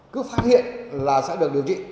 cứ phát hiện là sẽ được điều trị